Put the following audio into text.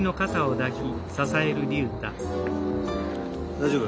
大丈夫？